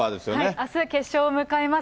あす決勝を迎えます